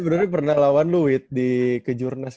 waduh tapi pernah lawan lu wid di kejurnas